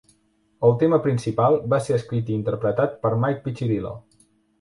El tema principal va ser escrit i interpretat per Mike Piccirillo.